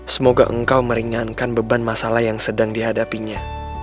semoga engkau meringankan beban masalah yang sedang dihadapinya